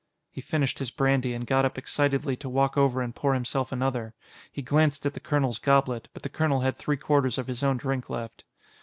He finished his brandy and got up excitedly to walk over and pour himself another. He glanced at the colonel's goblet, but the colonel had three quarters of his own drink left.